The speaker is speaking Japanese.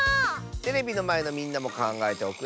テレビのまえのみんなもかんがえておくれ。